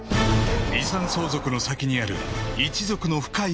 ［遺産相続の先にある一族の深い闇］